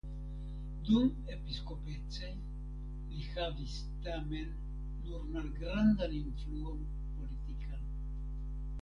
Dumepiskopece li havis tamen nur malgrandan influon politikan.